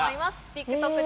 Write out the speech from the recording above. ＴｉｋＴｏｋ